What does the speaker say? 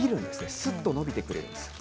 すっと伸びてくれるんです。